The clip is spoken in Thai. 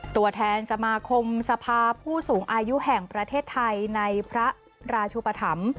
ตัวแทนสมาคมสภาผู้สูงอายุแห่งประเทศไทยในพระราชุปธรรม